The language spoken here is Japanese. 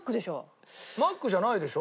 マックじゃないでしょ？